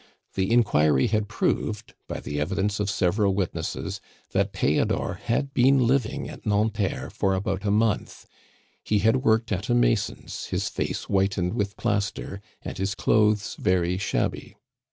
The inquiry had proved, by the evidence of several witnesses, that Theodore had been living at Nanterre for about a month; he had worked at a mason's, his face whitened with plaster, and his clothes very shabby.